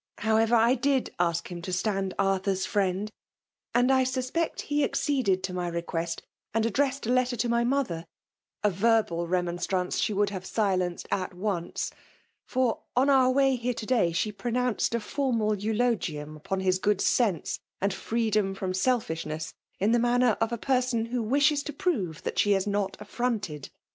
However, I did ask him to stand Artfavr^s friend, and I suspect he acceded to my request and addressed a letter to my mother, (a verbal remonstrance she would have silenced at once) for on our way here to day she pronounced a formal eulogium upon his good sense, and freedom from selfishness, in the manner of a person who wishes to prove that she is not affironted.